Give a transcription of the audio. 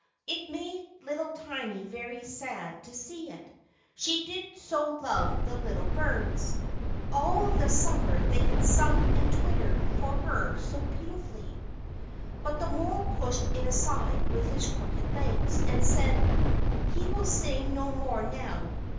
It made little Tiny very sad to see it, she did so love the little birds. All the Summer they had sung and twittered for her so beautifully. But the mole pushed it aside with his crooked legs, and said: "He will sing no more now.